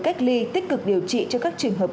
cách ly tích cực điều trị cho các trường hợp